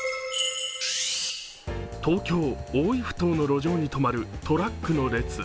東京・大井ふ頭の路上に止まるトラックの列。